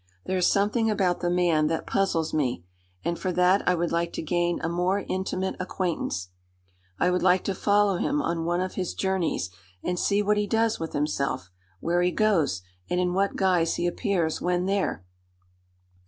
There is something about the man that puzzles me, and for that I would like to gain a more intimate acquaintance. I would like to follow him on one of his journeys and see what he does with himself where he goes, and in what guise he appears when there."